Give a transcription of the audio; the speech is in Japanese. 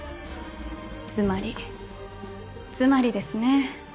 つまりつまりですねぇ。